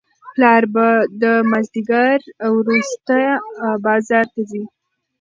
پلار به د مازیګر وروسته بازار ته ځي.